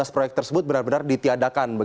tiga belas proyek tersebut benar benar ditiadakan